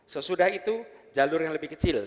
sesudah itu jalur yang lebih kecil